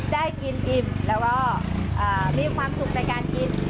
ได้กินอิ่มแล้วก็มีความสุขในการกิน